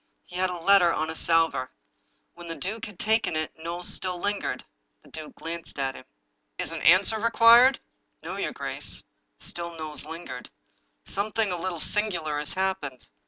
He had a letter •on a salver. When the duke had taken it, Knowles still lingered. The duke glanced at him. "Is an answer required?" " No, your grace." Still Knowles lingered. " Some thing a little singular has happened.